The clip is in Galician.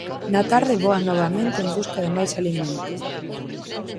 Na tarde voan novamente en busca de máis alimento.